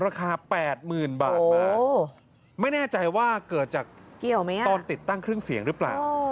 ราคา๘๐๐๐บาทมาไม่แน่ใจว่าเกิดจากตอนติดตั้งเครื่องเสียงหรือเปล่า